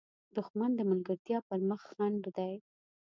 دښمن د ملګرتیا پر مخ خنډ دی